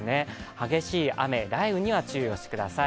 激しい雨、雷雨には注意をしてください。